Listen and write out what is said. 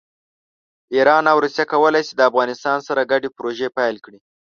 ایران او روسیه کولی شي د افغانستان سره ګډې پروژې پیل کړي.